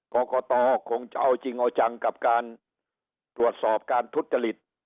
กรกตคงจะเอาจริงเอาจังกับการตรวจสอบการทุจริต